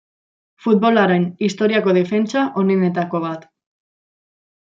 Futbolaren historiako defentsa onenetako bat.